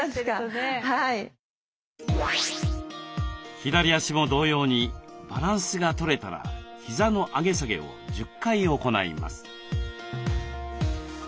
左足も同様にバランスがとれたら膝の上げ下げを１０回行います。